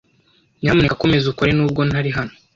Nyamuneka komeza ukore nubwo ntari hano.